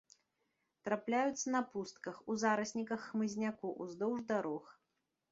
Трапляюцца на пустках, у зарасніках хмызняку, уздоўж дарог.